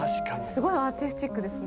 すごいアーティスティックですね。